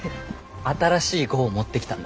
新しい号を持ってきたんだ。